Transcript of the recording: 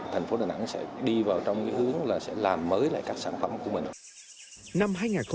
thành phố đà nẵng sẽ đi vào trong cái hướng là sẽ làm mới lại các sản phẩm của mình ạ